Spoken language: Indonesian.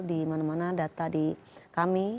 di mana mana data di kami